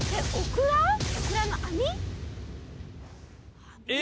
オクラの網？え！